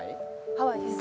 ハワイです